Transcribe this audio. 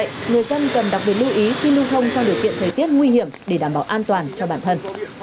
vì vậy người dân cần đặc biệt lưu ý khi lưu thông trong điều kiện thời tiết nguy hiểm để đảm bảo an toàn cho bản thân